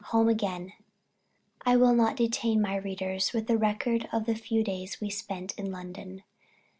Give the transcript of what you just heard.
HOME AGAIN. I will not detain my readers with the record of the few days we spent in London.